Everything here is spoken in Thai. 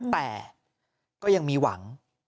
แต่ก็ยังมีหวัง